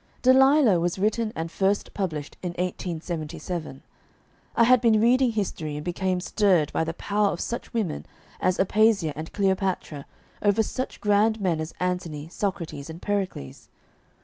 "Delilah" was written and first published in 1877. I had been reading history, and became stirred by the power of such women as Aspasia and Cleopatra over such grand men as Antony, Socrates, and Pericles.